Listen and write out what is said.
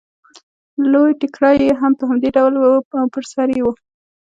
لوی ټکری یې هم په همدې ډول و او پر سر یې و